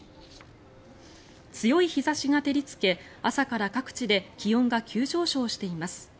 強い日差しが照りつけ朝から各地で気温が急上昇しています。